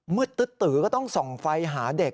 เมื่อตื๊ดตื๋อก็ต้องส่องไฟหาเด็ก